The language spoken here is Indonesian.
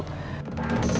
makasih ya pak dhani